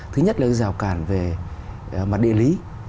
thứ nhất là rào cản về mặt địa lý